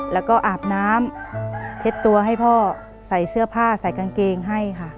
แล้วก็อาบน้ำเช็ดตัวให้พ่อใส่เสื้อผ้าใส่กางเกงให้ค่ะ